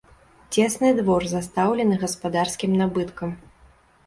Цесны двор, застаўлены гаспадарскім набыткам.